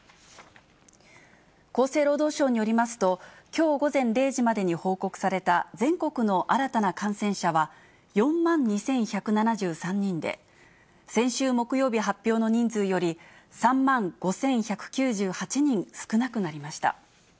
厚生労働省によりますと、きょう午前０時までに報告された全国の新たな感染者は、４万２１７３人で、先週木曜日発表の人数より、３万５１９８人少なくなりました。